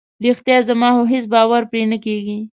رښتیا؟ زما خو هیڅ باور پرې نه کیږي.